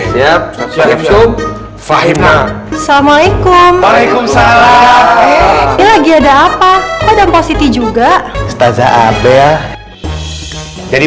sama sama assalamualaikum waalaikumsalam lagi ada apa apa dan posisi juga stazza abel jadi